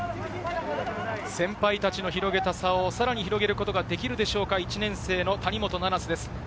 先輩たちの広げた差をさらに広げることができるでしょうか、１年生の谷本七星です。